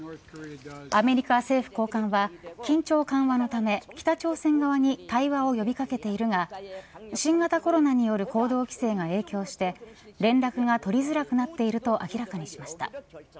アメリカ政府高官は緊張緩和のため、北朝鮮側に対話を呼び掛けているが新型コロナによる行動規制が影響して連絡が取りづらくなっていると明らかにしました。